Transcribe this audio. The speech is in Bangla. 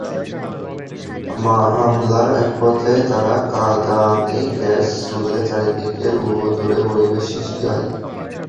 হামলার একপর্যায়ে তাঁরা কাঁদানে গ্যাস ছুড়লে চারদিকে ভুতুড়ে পরিবেশ সৃষ্টি হয়।